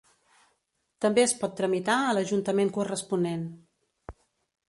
També es pot tramitar a l'ajuntament corresponent.